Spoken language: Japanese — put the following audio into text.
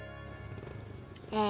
え